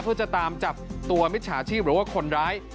เพื่อจะตามจับตัวมิจฉาชีพหรือว่าคนร้าย